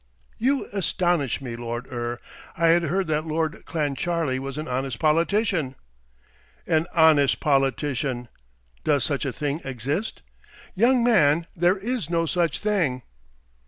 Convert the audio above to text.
"You astonish me, Lord Eure. I had heard that Lord Clancharlie was an honest politician." "An honest politician! does such a thing exist? Young man, there is no such thing."